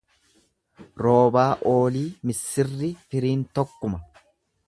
Roobaa oolii missirri firiin tokkuma.